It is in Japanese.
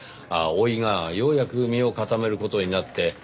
ああ甥がようやく身を固める事になって。